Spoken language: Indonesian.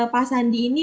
pak sandi ini